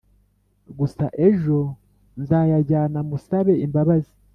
gusa ejo nzayajyana musabe imbabazi